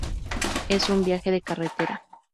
Es un viaje de carretera.